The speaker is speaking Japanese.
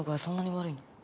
そんなに悪いの？